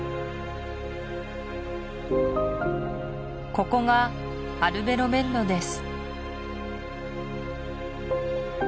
ここがアルベロベッロです